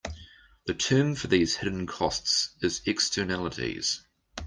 The term for these hidden costs is "Externalities".